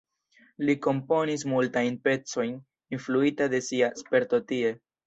Li komponis multajn pecojn influita de sia sperto tie.